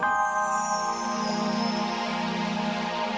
pernah mana dong bisa kaget